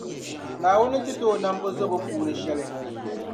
Naawuni ti ti o nambɔzɔbo puuni shɛli.